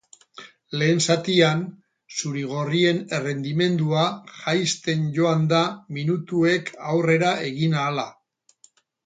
Lehen zatian, zuri-gorrien errendimendua jaisten joan da, minutuek aurrera egin ahala.